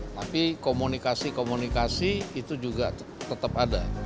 tapi komunikasi komunikasi itu juga tetap ada